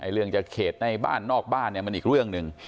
เรื่องจะเขตในบ้านนอกบ้านเนี่ยมันอีกเรื่องหนึ่ง